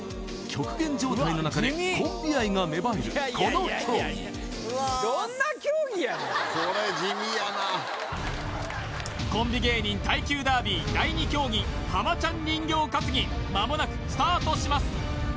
極限状態の中でコンビ愛が芽生えるこの競技これコンビ芸人耐久ダービー第２競技浜ちゃん人形担ぎ間もなくスタートします